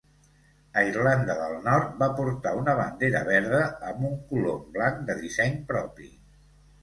A Irlanda del Nord, va portar una bandera verda amb un colom blanc de disseny propi.